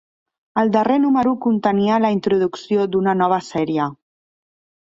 El darrer número contenia la introducció d'una nova sèrie.